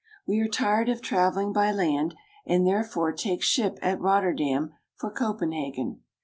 We are tired of traveling by land, and therefore take ship at Rotterdam for Copenhagen.